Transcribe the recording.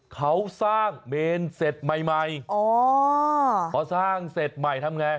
เขาสร้างเมนเสร็จใหม่ใหม่อ๋อพอสร้างเสร็จใหม่ทำไง